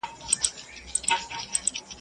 هم خورما او هم ثواب ..